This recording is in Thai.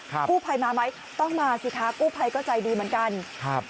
กู้ภัยมาไหมต้องมาสิคะกู้ภัยก็ใจดีเหมือนกันครับ